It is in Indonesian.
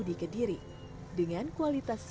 di kediri dengan kualitas